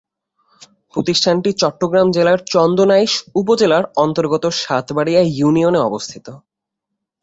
প্রতিষ্ঠানটি চট্টগ্রাম জেলার চন্দনাইশ উপজেলার অন্তর্গত সাতবাড়িয়া ইউনিয়নে অবস্থিত।